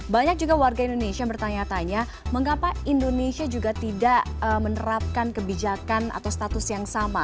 banyak juga warga indonesia yang bertanya tanya mengapa indonesia juga tidak menerapkan kebijakan atau status yang sama